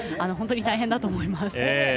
本当に大変だと思います。